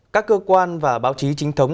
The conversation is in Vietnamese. các cơ quan và báo chí chính thống